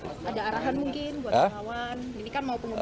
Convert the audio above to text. ada arahan mungkin buat relawan ini kan mau pengurusan